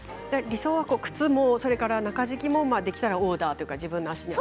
理想は靴も中敷きもできたらオーダーとか自分の足で。